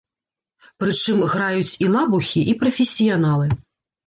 Прычым, граюць і лабухі і прафесіяналы.